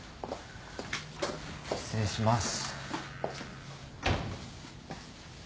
失礼します。